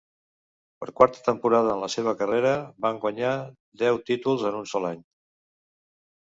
Per quarta temporada en la seva carrera van guanyar deu títols en un sol any.